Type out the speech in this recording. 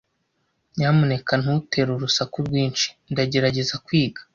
Nyamuneka ntutere urusaku rwinshi. Ndagerageza kwiga.